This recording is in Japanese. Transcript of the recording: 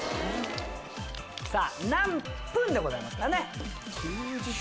「何分？」でございますからね。